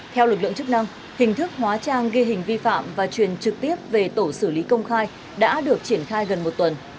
theo lực lượng chức năng hình thức hóa trang ghi hình vi phạm và truyền trực tiếp về tổ xử lý công khai đã được triển khai gần một tuần